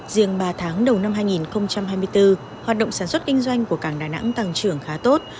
riêng ba tháng đầu năm hai nghìn hai mươi bốn hoạt động sản xuất kinh doanh của cảng đà nẵng tăng trưởng khá tốt